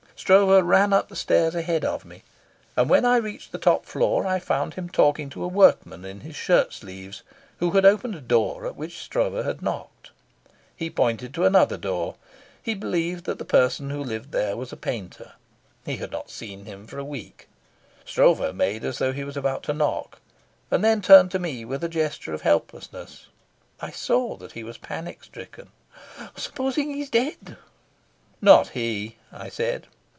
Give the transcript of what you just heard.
Stroeve ran up the stairs ahead of me, and when I reached the top floor I found him talking to a workman in his shirt sleeves who had opened a door at which Stroeve had knocked. He pointed to another door. He believed that the person who lived there was a painter. He had not seen him for a week. Stroeve made as though he were about to knock, and then turned to me with a gesture of helplessness. I saw that he was panic stricken. "Supposing he's dead?" "Not he," I said.